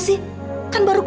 sukses gak tuh ini